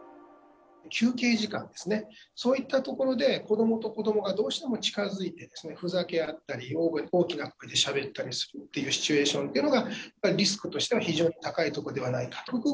休憩時間ですね、そういったところで子どもと子どもがどうしても近づいて、そういうふざけ合ったり、大きな声でしゃべったりするというシチュエーションっていうのが、やっぱリスクとしては非常に高いところではないかと。